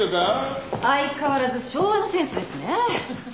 相変わらず昭和のセンスですね。